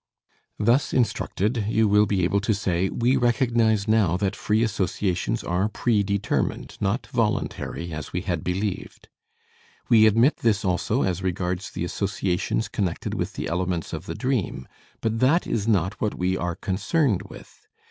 Thus instructed, you will be able to say, "We recognize now that free associations are predetermined, not voluntary, as we had believed. We admit this also as regards the associations connected with the elements of the dream, but that is not what we are concerned with.